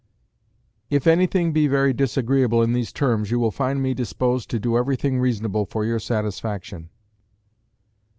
If anything be very disagreeable in these terms, you will find me disposed to do everything reasonable for your satisfaction.